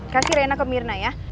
kasih rena ke mirna ya